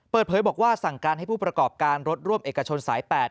เปิดเผยบอกว่าสั่งการให้ผู้ประกอบการรถร่วมเอกชนสาย๘